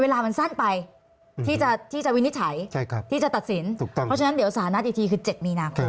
เวลามันสั้นไปที่จะวินิจฉัยที่จะตัดสินเพราะฉะนั้นสาณะที่ที่คือเจ็ดมีนะ